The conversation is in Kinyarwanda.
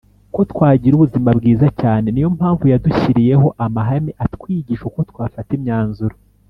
Ko twagira ubuzima bwiza cyane ni yo mpamvu yadushyiriyeho amahame atwigisha uko twafata imyanzuro